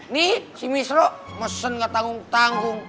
nih si misro mesen gak tanggung tanggung